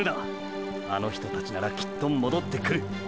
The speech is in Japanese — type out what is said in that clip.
あの人たちならきっと戻ってくる。